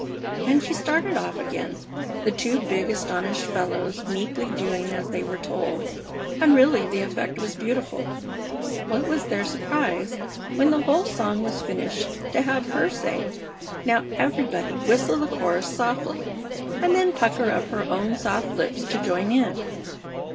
And she started off again, the two big astonished fellows meekly doing as they were told, and really the effect was beautiful. What was their surprise when the whole song was finished to have her say, "Now everybody whistle the chorus softly," and then pucker up her own soft lips to join in.